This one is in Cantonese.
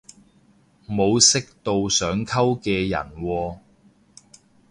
冇識到想溝嘅人喎